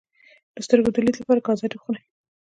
د سترګو د لید لپاره ګازرې وخورئ